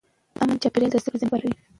امن چاپېریال د زده کړې زمینه برابروي.